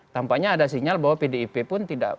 tampaknya ada sinyal bahwa pdip pun tidak